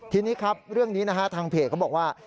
ทีนี้ครับเรื่องนี้นะฮะทางเพจเขาบอกว่า